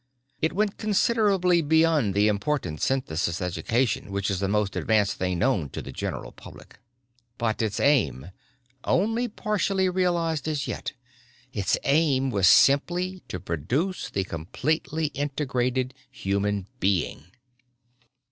It went considerably beyond the important Synthesis education which is the most advanced thing known to the general public. But its aim only partially realized as yet its aim was simply to produce the completely integrated human being."